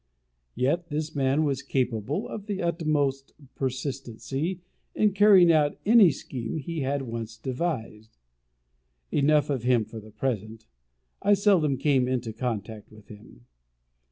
Yet this man was capable of the utmost persistency in carrying out any scheme he had once devised. Enough of him for the present: I seldom came into contact with him.